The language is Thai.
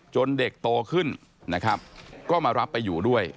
เด็กโตขึ้นนะครับก็มารับไปอยู่ด้วย